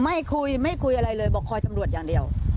ไม่คุยไม่คุยอะไรเลยบอกคอยตำรวจอย่างเดียว